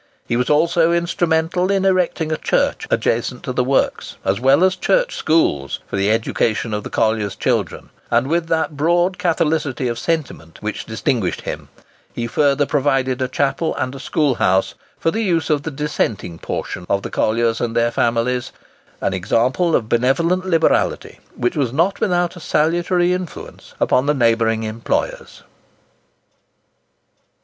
He was also instrumental in erecting a church adjacent to the works, as well as Church schools for the education of the colliers' children; and with that broad catholicity of sentiment which distinguished him, he further provided a chapel and a school house for the use of the Dissenting portion of the colliers and their families—an example of benevolent liberality which was not without a salutary influence upon the neighbouring employers.